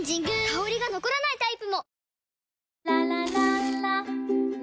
香りが残らないタイプも！